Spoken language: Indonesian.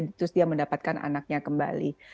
terus dia mendapatkan anaknya kembali